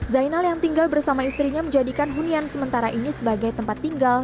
zainal yang tinggal bersama istrinya menjadikan hunian sementara ini sebagai tempat tinggal